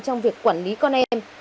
trong việc quản lý con em